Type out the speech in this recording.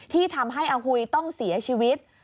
ที่ทำให้อาหุยต้องเสียชีวิต